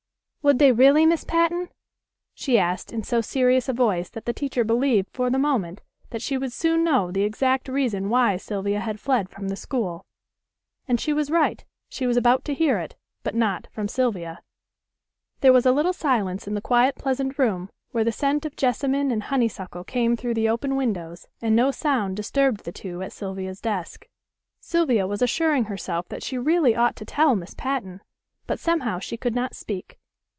"Would they really, Miss Patten?" she asked in so serious a voice that the teacher believed for the moment that she would soon know the exact reason why Sylvia had fled from the school; and she was right, she was about to hear it, but not from Sylvia. There was a little silence in the quiet pleasant room where the scent of jessamine and honey suckle came through the open windows, and no sound disturbed the two at Sylvia's desk. Sylvia was assuring herself that she really ought to tell Miss Patten; but somehow she could not speak.